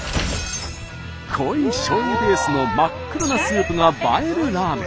濃いしょうゆベースの真っ黒なスープが映えるラーメン。